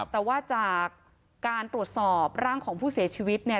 แต่ว่าจากการตรวจสอบร่างของผู้เสียชีวิตเนี่ย